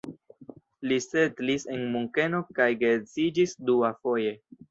Li setlis en Munkeno kaj geedziĝis duafoje.